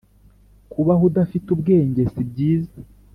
kubaho udafite ubwenge si byiza,